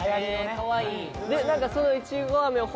かわいい。